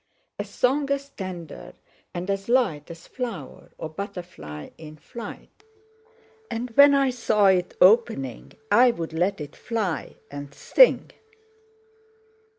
A song as tender and as light As flower, or butterfly in flight; And when I saw it opening, I'd let it fly and sing!"